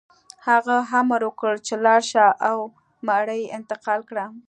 هغه امر وکړ چې لاړ شه او مړي انتقال کړه